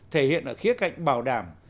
thể hiện ở khía cạnh bảo đảm